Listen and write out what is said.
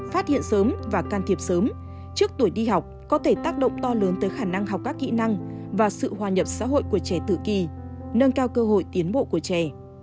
phát hiện sớm và can thiệp sớm trước tuổi đi học có thể tác động to lớn tới khả năng học các kỹ năng và sự hòa nhập xã hội của trẻ tự kỳ nâng cao cơ hội tiến bộ của trẻ